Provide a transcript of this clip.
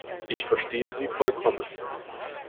Ich verstehe Sie vollkommen.